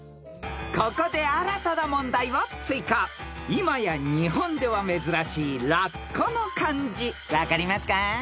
［今や日本では珍しいラッコの漢字分かりますか？］